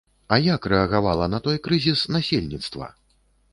А як рэагавала на той крызіс насельніцтва?